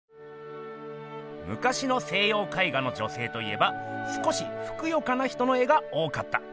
むかしの西よう絵画の女性といえば少しふくよかな人の絵が多かった。